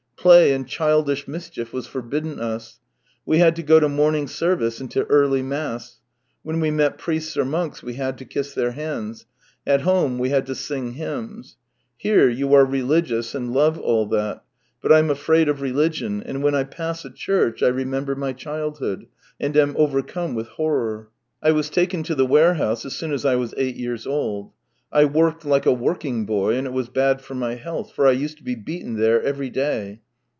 Play and childish mischief was forbidden us. We had to go to morning service and to early mass. When we met priests or monks we had to kiss their hands; at home we had to sing hymns. Here you are religious and love all that, but I'm afraid of religion, and when I pass a church I remember my childhood, and am overcome with horror. 1 was taken to the warehouse as soon as I was eight years old. I worked hke a working boy, and it was bad for my health, for I used to be beaten there every day.